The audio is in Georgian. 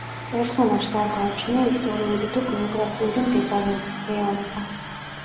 პერსონაჟს არ გააჩნია ისტორიული თუ გეოგრაფიული მდებარეობა, რეალობა.